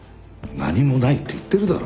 何もないって言ってるだろ。